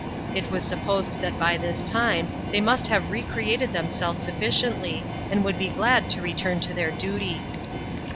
It was supposed that by this time, they must have recreated themselves sufficiently, and would be glad to return to their duty.